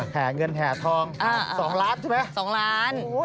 แห่เงินแห่ทอง๒ล้านใช่ไหม๒ล้าน